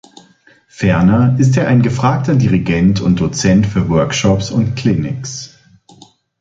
Ferner ist er ein gefragter Dirigent und Dozent für Workshops und Clinics.